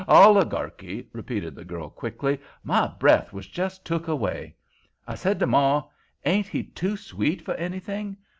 "Oligarchy," repeated the girl, quickly, "my breath was just took away. I said to maw, 'Ain't he too sweet for anything!